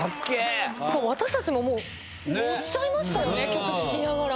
私たちももう、乗っちゃいましたよね、曲聴きながら。